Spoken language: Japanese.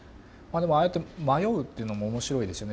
でもああやって迷うっていうのも面白いですよね。